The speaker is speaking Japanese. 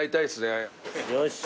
よし。